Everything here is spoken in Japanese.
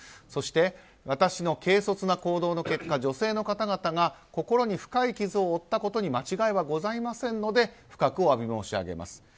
そして、私の軽率な行動の結果女性の方々が心に深い傷を負ったことに間違いはございませんので深くお詫び申し上げます。